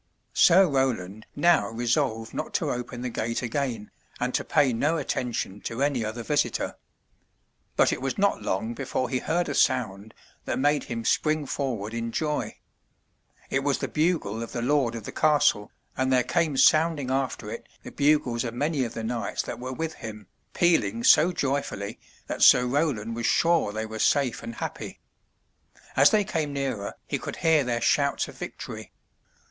Sir Roland now resolved not to open the gate again, and to pay no attention to any other visitor. But it was not long before he heard a sound that made him spring forward in joy. It was the bugle of the lord of the castle, and there came sounding after it the bugles of many of the knights that were with him, pealing so joyfully that Sir Roland was sure they were safe and happy. As they came nearer, he could hear their shouts of victory.